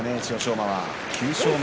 馬は９勝目。